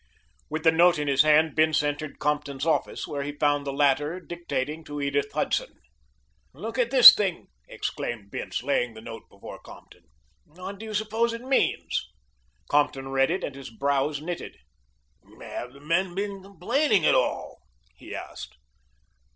With the note in his hand, Bince entered Compton's office, where he found the latter dictating to Edith Hudson. "Look at this thing!" exclaimed Bince, laying the note before Compton. "What do you suppose it means?" Compton read it, and his brows knitted. "Have the men been complaining at all?" he asked.